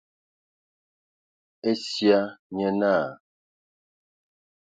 Esia nye naa.